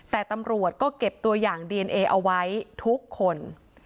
แต่ตำรวจก็เก็บตัวอย่างดีเอนเอเอาไว้ทุกคน